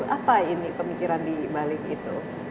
apa ini pemikiran di bali gitu